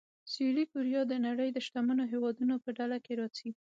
سویلي کوریا د نړۍ د شتمنو هېوادونو په ډله کې راځي.